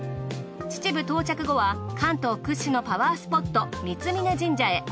秩父到着後は関東屈指のパワースポット三峯神社へ。